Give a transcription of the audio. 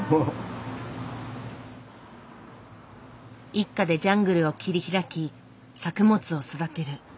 一家でジャングルを切り開き作物を育てる。